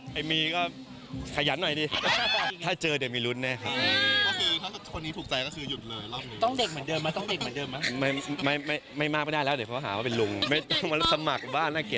แล้วมีผลต่อการมีลูกไหมเพราะว่าอยู่ที่มีลูกกันยาก